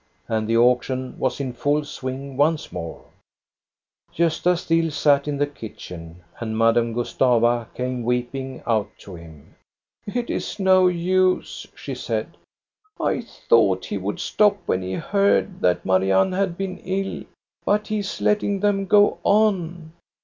" And the auction was in full swing once more. Gosta still sat in the kitchen, and Madame Gustava came weeping out to him. " It 's no use," she said. " I thought he would stop when he heard that Marianne had been ill ; but he is letting them go on.